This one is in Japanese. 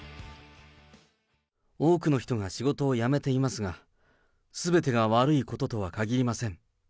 多くの人が仕事を辞めていますが、すべてが悪いこととはかぎりません。